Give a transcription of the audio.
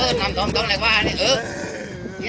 เออน้ำต้มต้มเหล็กหมานี้